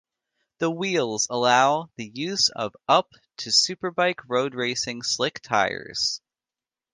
The wheels allow the use of up to superbike road racing slick tires.